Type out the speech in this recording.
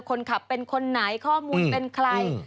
คนขับเป็นคนไหนข้อมูลเป็นใคร